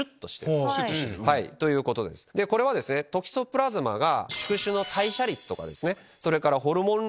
これはトキソプラズマが。